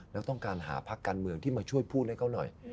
แล้วต้องการหาพักการเมืองที่มาช่วยพูดให้เขาหน่อย